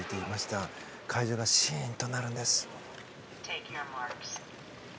会場がシーンとなるんです。